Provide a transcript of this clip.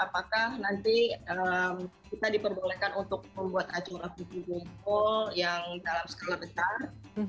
apakah nanti kita diperbolehkan untuk membuat acara fiji world hall yang dalam skala besar